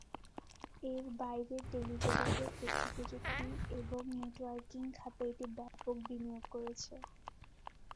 এর বাইরে টেলিযোগাযোগ, তথ্য প্রযুক্তি এবং নেটওয়ার্কিং খাতে এটি ব্যাপক বিনিয়োগ করেছে।